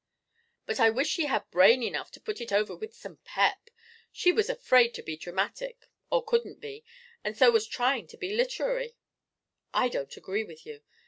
But I wish she had brain enough to put it over with some pep. She was afraid to be dramatic, or couldn't be, and so she was trying to be literary " "I don't agree with you!"